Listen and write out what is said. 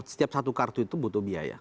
setiap satu kartu itu butuh biaya